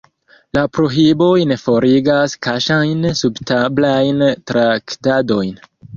La prohiboj ne forigas kaŝajn, subtablajn traktadojn.